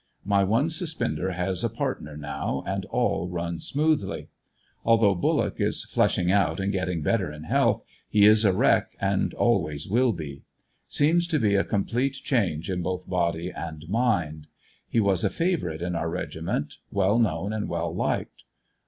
My one suspender has a partner now, and all runs smoothly. Although Bullock is fleshing up and getting better in health, he is a wreck and always will be. Seems to be a com plete change in both body and mind. He was a favorite in our regiment, well known and well liked.